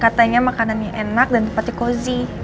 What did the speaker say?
katanya makanannya enak dan tempatnya kozi